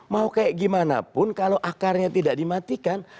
mau kayak gimana pun kalau akarnya tidak dimatikan